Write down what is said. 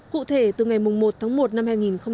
cụ thể từ ngày một tháng một năm hai nghìn một mươi tám